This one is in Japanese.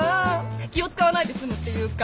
気を使わないで済むっていうか。